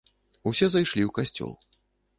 Усе зайшлі ў касцёл.